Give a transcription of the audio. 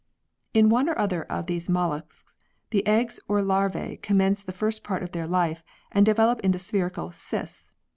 In one or other of these molluscs the eggs or larvae commence the first part of their life and develop into spherical cysts.